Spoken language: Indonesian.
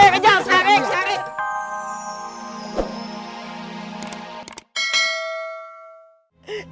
kejal saring saring